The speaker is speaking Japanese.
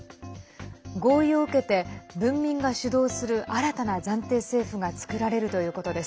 合意を受けて文民が主導する新たな暫定政府が作られるということです。